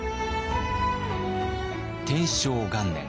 天正元年